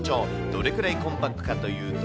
どれくらいコンパクトかというと。